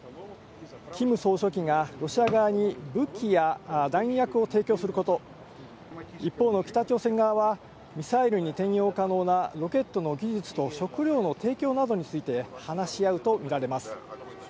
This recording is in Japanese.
キム総書記がロシア側に武器や弾薬を提供すること、一方の北朝鮮側はミサイルに転用可能なロケットの技術と食料の提供などについて、話し合うと見られます。